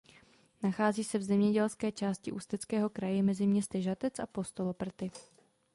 Nachází se v zemědělské části Ústeckého kraje mezi městy Žatec a Postoloprty.